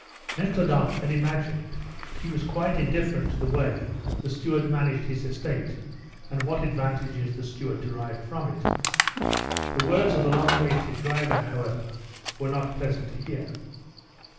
Nekhludoff had imagined that he was quite indifferent to the way the steward managed his estate, and what advantages the steward derived from it. The words of the long waisted driver, however, were not pleasant to hear.